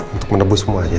untuk menebusmu aja